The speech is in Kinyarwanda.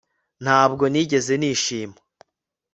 Ntabwo nigeze nishima